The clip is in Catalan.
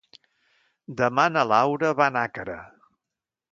Demà na Laura va a Nàquera.